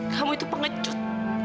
kamu itu pengecut